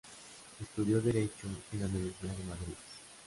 Estudió Derecho en la Universidad de Madrid.